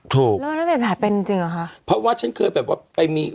ถูกลองเราจะเป็นแผลเป็นจริงหรอคะเพราะว่าหรือผู้จัดช่วยงานนะคะ